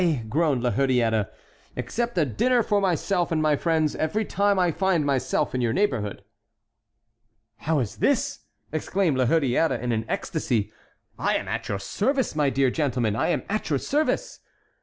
groaned La Hurière. "Except a dinner for myself and my friends every time I find myself in your neighborhood." "How is this?" exclaimed La Hurière in an ecstasy. "I am at your service, my dear gentleman; I am at your service."